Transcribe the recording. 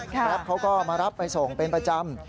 รับเขาก็มารับไปส่งเป็นประจำ